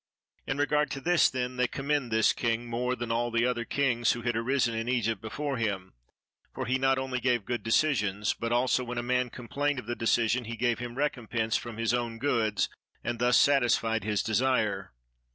In regard to this then they commend this king more than all the other kings who had arisen in Egypt before him; for he not only gave good decisions, but also when a man complained of the decision, he gave him recompense from his own goods and thus satisfied his desire.